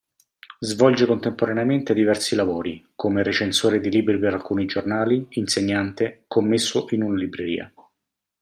Svolge contemporaneamente diversi lavori come recensore di libri per alcuni giornali, insegnante, commesso in una libreria.